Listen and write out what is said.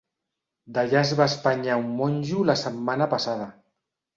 D'allà es va espenyar un monjo la setmana passada.